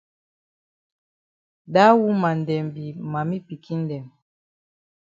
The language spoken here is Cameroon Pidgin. Dat woman dem be mami pikin dem.